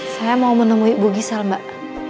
saya mau menemui ibu gisel mbak